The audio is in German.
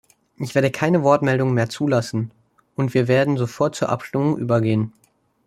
Ich werde keine Wortmeldungen mehr zulassen, und wir werden sofort zur Abstimmung übergehen.